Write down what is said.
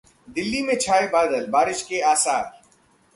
दिल्ली में छाए बादल, बारिश के आसार